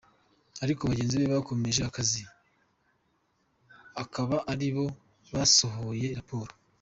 Ariko bagenzi be bakomeje akazi, akaba ari bo basohoye raporo.